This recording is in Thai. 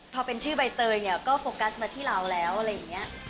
พอเป็นชื่อใบเตยเนี่ยก็โฟกัสมาที่เราแล้วอะไรอย่างนี้